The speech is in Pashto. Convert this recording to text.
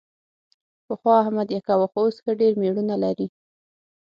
پخوا احمد یکه و، خو اوس ښه ډېر مېړونه لري.